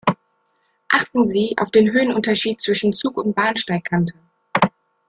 Achten Sie auf den Höhenunterschied zwischen Zug und Bahnsteigkante.